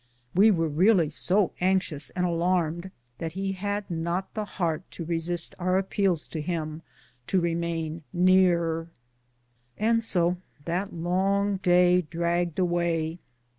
We were really so anxious and alarmed that he had not the heart to resist our appeals to him to remain near. And so that long day dragged away.